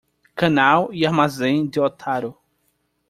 Canal e Armazém de Otaru